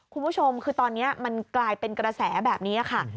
คุณผู้ชมคือตอนนี้มันกลายเป็นกระแสแบบนี้ค่ะ